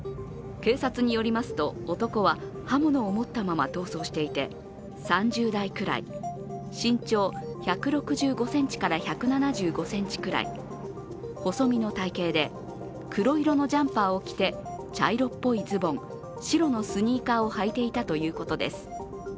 警察によりますと、男は刃物を持ったまま逃走していて、３０代くらい、身長１６５ｃｍから１７５ｃｍくらい細身の体型で、黒色のジャンパーを着て茶色っぽいズボン、白のスニーカーを履いていたということです。